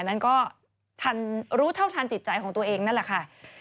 นั้นก็ทันรู้เท่าทันจิตใจของตัวเองนั่นแหละค่ะ